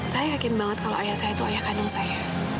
saya yakin banget kalau ayah saya itu ayah kandung saya